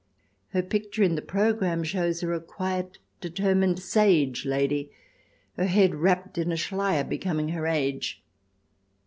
Her picture in the programme shows her a quiet, determined, sage lady, her head wrapped in a Schleier becoming her age.